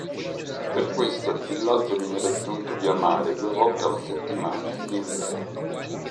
Per questo il villaggio viene raggiunto via mare due volte alla settimana in inverno.